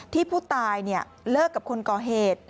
ที่ผู้ตายเลิกกับคนก่อเหตุ